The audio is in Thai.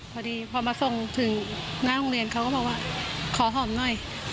พอดีพอมาส่งถึงหน้าโรงเรียนเขาก็บอกว่าขอหอมหน่อย